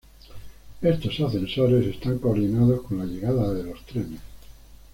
Estos ascensores están coordinados con la llegada de los trenes.